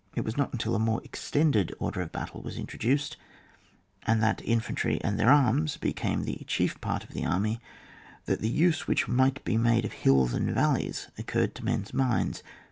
It was not until a more extended order of battle was introduced, and that in fantry and their arms became the chief part of an army, that the use which might be made of hills and valleys occurred to men's minds.